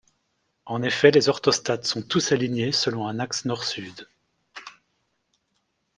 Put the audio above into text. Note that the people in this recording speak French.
En effet, les orthostates sont tous alignés selon un axe nord-sud.